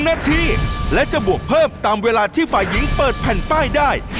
นาทีและจะบวกเพิ่มตามเวลาที่ฝ่ายหญิงเปิดแผ่นป้ายได้